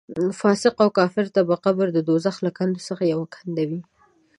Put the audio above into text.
فاسق او کافر ته به قبر د دوزخ له کندو څخه یوه کنده وي.